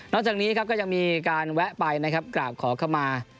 จากนี้ครับก็ยังมีการแวะไปนะครับกราบขอเข้ามา